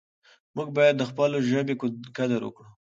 موږ باید د خپلې ژبې قدر وکړو.